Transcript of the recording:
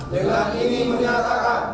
dengan ini menyatakan